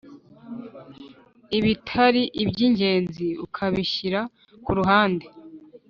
Ibitari iby ingenzi ukabishyira ku ruhande